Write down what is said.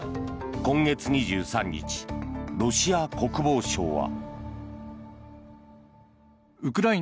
今月２３日、ロシア国防省は。